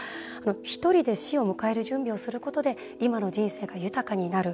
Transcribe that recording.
ひとりで死を迎える準備をすることで今の人生が豊かになる。